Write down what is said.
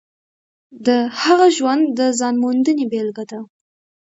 د هغه ژوند د ځان موندنې بېلګه ده.